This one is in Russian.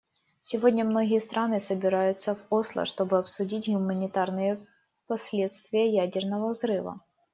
Сегодня многие страны собираются в Осло, чтобы обсудить гуманитарные последствия ядерного взрыва.